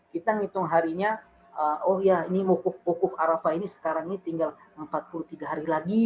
kita ngitung harinya oh ya ini mukuf mukuf arafah ini sekarang ini tinggal empat puluh tiga hari lagi